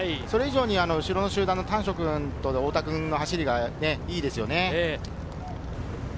それ以上に後ろの集団の丹所君と太田君の走りがね、いいですね。